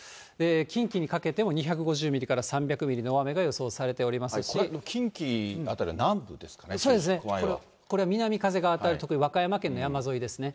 近畿にかけても２５０ミリから３００ミリの大雨が予想されておりこれ、近畿辺りは南部ですかそうですね、これは南風が当たる、和歌山県の山沿いですね。